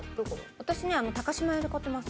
高島屋で買ってます。